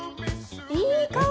いい香り！